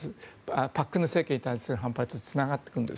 朴槿惠政権に対する反発につながっていくんです。